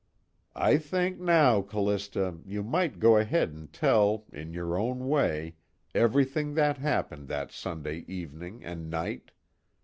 _ "I think now, Callista, you might go ahead and tell, in your own way, everything that happened that Sunday evening and night.